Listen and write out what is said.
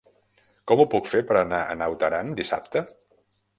Com ho puc fer per anar a Naut Aran dissabte?